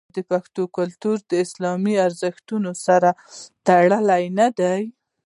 آیا پښتون کلتور د اسلامي ارزښتونو سره تړلی نه دی؟